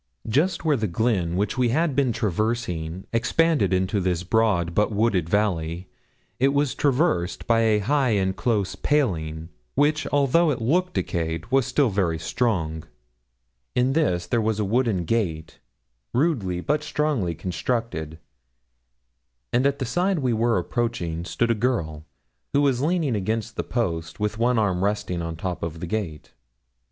Just where the glen which we had been traversing expanded into this broad, but wooded valley, it was traversed by a high and close paling, which, although it looked decayed, was still very strong. In this there was a wooden gate, rudely but strongly constructed, and at the side we were approaching stood a girl, who was leaning against the post, with one arm resting on the top of the gate.